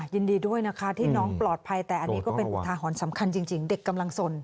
ยินดีด้วยนะคะที่น้องปลอดภัยแต่อันนี้ก็เป็นอุทาหรณ์สำคัญจริงเด็กกำลังสน